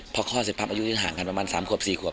เพราะข้อเสร็จพร้อมอายุที่ห่างกันประมาณ๓ขวบ๔ขวบ